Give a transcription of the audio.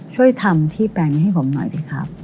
ช่วยทำที่แปลงนี้ให้ผมหน่อยสิครับ